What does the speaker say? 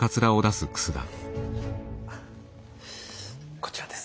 こちらです。